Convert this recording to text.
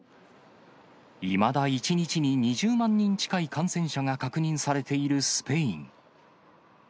いまだ１日に２０万人近い感染者が確認されているスペイン。